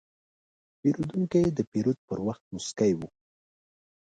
پیرودونکی د پیرود پر وخت موسکی و.